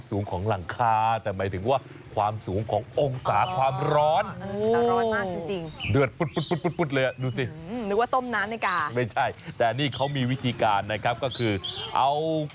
สูงอยู่บนดนที่นั่งค้า